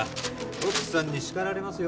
奥さんに叱られますよ